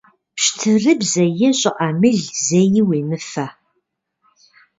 Пщтырыбзэ е щӀыӀэмыл зэи уемыфэ.